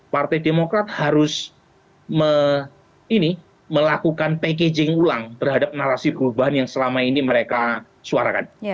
partai demokrat harus melakukan packaging ulang terhadap narasi perubahan yang selama ini mereka suarakan